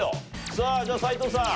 さあじゃあ斎藤さん。